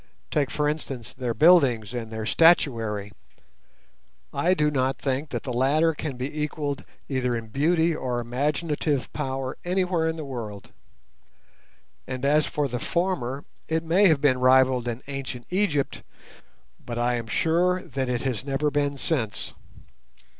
Take for instance their buildings and their statuary. I do not think that the latter can be equalled either in beauty or imaginative power anywhere in the world, and as for the former it may have been rivalled in ancient Egypt, but I am sure that it has never been since.